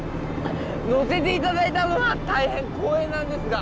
乗せていただいたのは大変光栄なんですが。